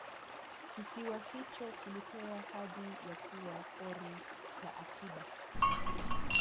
kisiwa hicho kilipewa hadhi ya kuwa Pori la Akiba